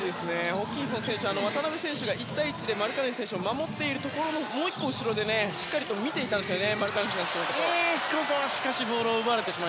ホーキンソン選手は渡邊選手が１対１でマルカネン選手を守っているところでもう１個後ろで、しっかり見ていたんですよね。